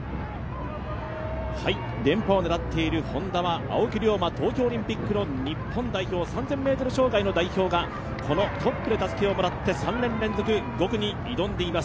連覇を狙っているＨｏｎｄａは青木が東京オリンピックの日本代表、３０００ｍ障害の代表がトップでたすきをもらって３年連続５区に挑んでいます。